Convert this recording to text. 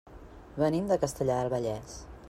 Venim de Castellar del Vallès.